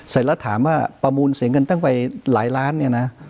เสร็จแล้วถามว่าประมูลเสียเงินตั้งไปหลายล้านเนี่ยนะ